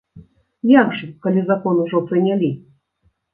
Як жа, калі закон ужо прынялі?